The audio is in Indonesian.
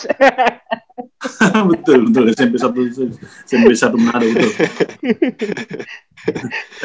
hahaha betul betul smp satu manado itu